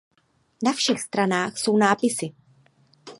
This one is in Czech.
Na všech stranách jsou nápisy.